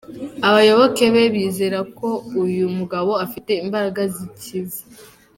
Abayoboke be bizera ko uyu mugabo afite imbaraga zikiza.